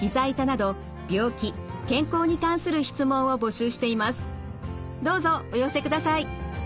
どうぞお寄せください。